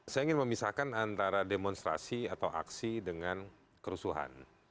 saya ingin memisahkan antara demonstrasi atau aksi dengan kerusuhan